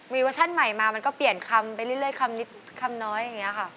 มีเวอร์ชั่นใหม่มามันก็เปลี่ยนคำไปเรื่อยคำนิดคำน้อยอย่างนี้ค่ะ